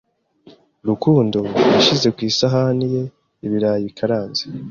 Rukundo yashyize ku isahani ye ibirayi bikaranze.